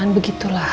jangan begitu lah